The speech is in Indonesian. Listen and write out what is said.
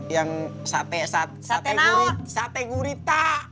yang sate sate gurita